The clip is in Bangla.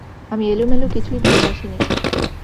আমি এলোমেলো কিছুই ভালোবাসি নে।